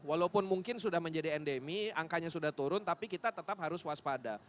walaupun mungkin sudah menjadi endemi angkanya sudah turun tapi kita tetap harus waspada